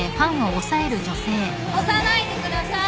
押さないでください！